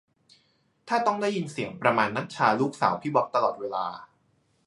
ถ้าต้องได้ยินเสียงประมาณนัทชาลูกสาวพี่บ๊อบตลอดเวลา